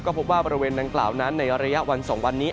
พบว่าบริเวณดังกล่าวนั้นในระยะวัน๒วันนี้